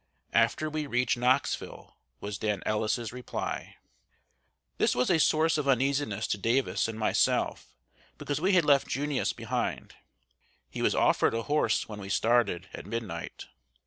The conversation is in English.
"After we reach Knoxville," was Dan Ellis's reply. This was a source of uneasiness to Davis and myself, because we had left "Junius" behind. He was offered a horse when we started, at midnight.